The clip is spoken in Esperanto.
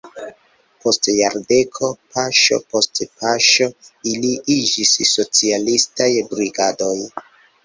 Post jardeko paŝo post paŝo ili iĝis "socialistaj brigadoj".